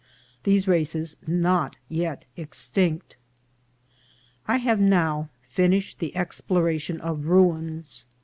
— These Races not yet extinct. I HAVE now finished the exploration of ruins.